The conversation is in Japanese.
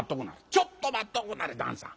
ちょっと待っとくんなはれ旦さん。